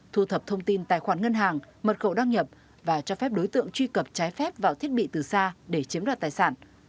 thu thập thông tin tài khoản ngân hàng mật khẩu đăng nhập và cho phép đối tượng truy cập trái phép vào thiết bị từ xa để chiếm đoạt tài sản